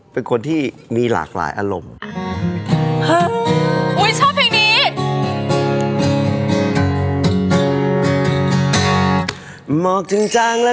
เป็นคนที่มีหลากหลายอารมณ์